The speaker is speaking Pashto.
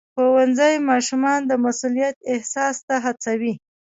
ښوونځی ماشومان د مسؤلیت احساس ته هڅوي.